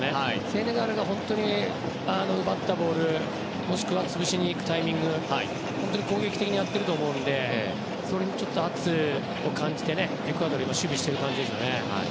セネガルが、本当に奪ったボールもしくは潰しに行くタイミング攻撃的にやっているのでそれにちょっと圧を感じてエクアドルは守備をしている感じですよね。